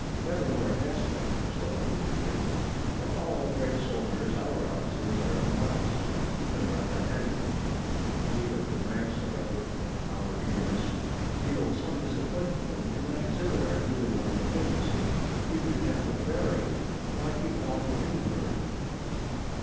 Never more desperate ones, though, we agreed. Like all great soldiers, our officers are modest, even about their handiwork. We of the ranks, however, in our eagerness feel some disappointment that we cannot exhibit our newly won proficiency, even to General Barry. Why keep it all for Hindenburg?